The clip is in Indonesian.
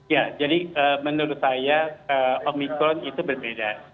ya jadi menurut saya omikron itu berbeda